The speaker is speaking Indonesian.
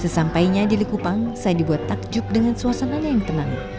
sesampainya di likupang saya dibuat takjub dengan suasananya yang tenang